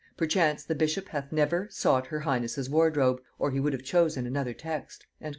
Perchance the bishop hath never sought her highness' wardrobe, or he would have chosen another text."